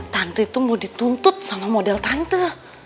tante itu mau dituntut sama model tante